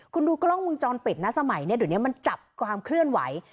คุณดูกล้องวงจรปิดนะสมัยนี้เดี๋ยวนี้มันจับความเคลื่อนไหว